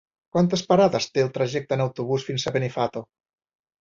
Quantes parades té el trajecte en autobús fins a Benifato?